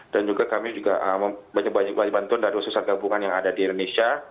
dan juga kami juga banyak banyak dibantu dari sosial gabungan yang ada di indonesia